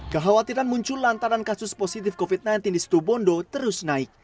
kekhawatiran muncul lantaran kasus positif covid sembilan belas di situ bondo terus naik